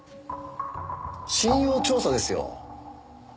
信用調査ですよ。